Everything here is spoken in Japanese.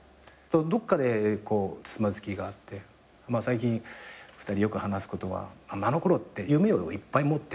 どこかでつまずきがあって最近２人よく話すことはあのころって夢をいっぱい持ってたじゃないですか。